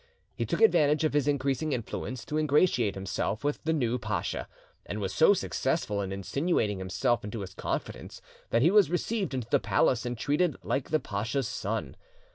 He took advantage of his increasing influence to ingratiate himself with the new pasha, and was so successful in insinuating himself into his confidence, that he was received into the palace and treated like the pacha's son.